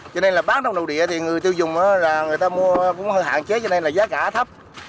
cho nên là bán trong nội địa thì người tiêu dùng là người ta mua cũng hạn chế cho nên là giá cả thấp